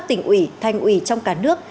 nhằm đẩy các tỉnh ủy thanh ủy trong cả nước